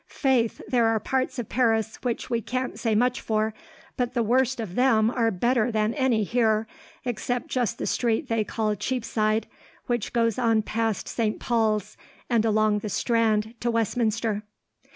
Faith, there are parts of Paris which we can't say much for, but the worst of them are better than any here, except just the street they call Cheapside, which goes on past Saint Paul's, and along the Strand to Westminster."